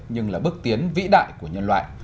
nhưng là bước tiến vĩ đại của nhân loại